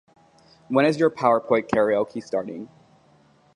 When is your "Powerpoint Karaoke" starting?